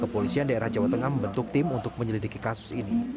kepolisian daerah jawa tengah membentuk tim untuk menyelidiki kasus ini